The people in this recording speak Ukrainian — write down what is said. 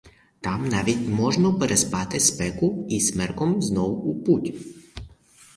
Там навіть можна переспати спеку і смерком знов у путь.